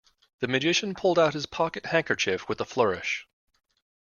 The magician pulled out his pocket handkerchief with a flourish.